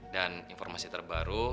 dan informasi terbaru